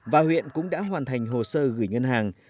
và huyện cũng đã hoàn thành hồ sơ gửi ngân hàng